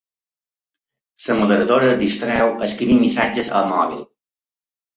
La moderadora es distreu escrivint missatges al mòbil.